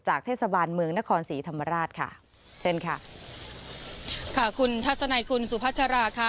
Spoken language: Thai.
เทศบาลเมืองนครศรีธรรมราชค่ะเชิญค่ะค่ะคุณทัศนัยคุณสุพัชราค่ะ